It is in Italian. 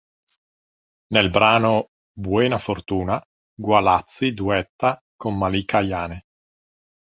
Nel brano "Buena fortuna" Gualazzi duetta con Malika Ayane.